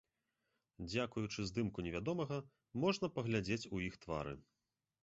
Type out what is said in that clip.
Дзякуючы здымку невядомага можна паглядзець у іх твары.